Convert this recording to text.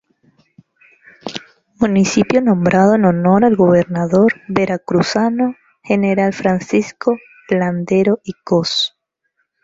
Municipio nombrado en honor al gobernador veracruzano Gral.Francisco Landero y Coss.